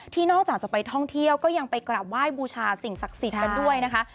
นอกจากจะไปท่องเที่ยวก็ยังไปกราบไหว้บูชาสิ่งศักดิ์สิทธิ์กันด้วยนะคะ